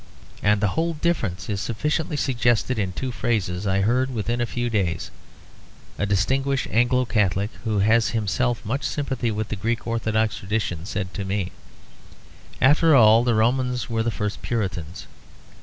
And the whole difference is sufficiently suggested in two phrases I heard within a few days. A distinguished Anglo Catholic, who has himself much sympathy with the Greek Orthodox traditions, said to me, "After all, the Romans were the first Puritans."